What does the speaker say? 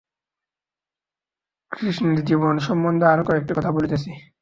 কৃষ্ণের জীবন সম্বন্ধে আরও কয়েকটি কথা বলিতেছি।